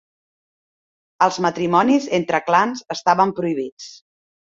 Els matrimonis entre clans estaven prohibits.